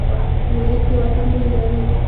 موزیک د وطن بوی لري.